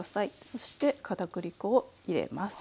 そしてかたくり粉を入れます。